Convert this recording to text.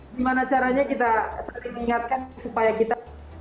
gimana caranya kita saling mengingatkan supaya kita